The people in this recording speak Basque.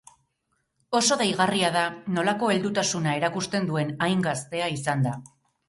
Oso deigarria da nolako heldutasuna erakusten duen, hain gaztea izanda.